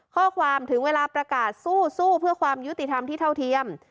ข้อความถึงเวลาประกาศสู้เพื่อความยุติธรรมที่เท่าเทียม